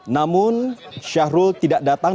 namun syahrul tidak datang